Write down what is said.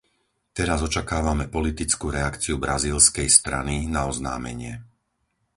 Teraz očakávame politickú reakciu brazílskej strany na oznámenie.